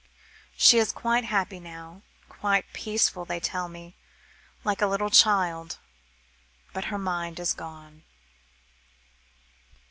She is quite happy now, quite peaceful, they tell me, like a little child, but her mind has gone."